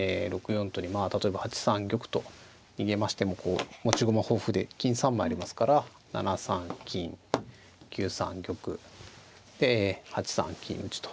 ６四とにまあ例えば８三玉と逃げましてもこう持ち駒豊富で金３枚ありますから７三金９三玉で８三金打と。